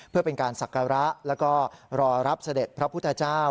เพื่อเป็นการศักระแล้วก็รอรับเสด็จพระพุทธเจ้า